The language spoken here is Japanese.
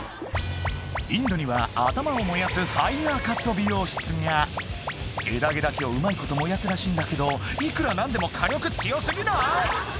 インドには頭を燃やすファイアカット美容室が枝毛だけをうまいこと燃やすらしいんだけどいくら何でも火力強過ぎない？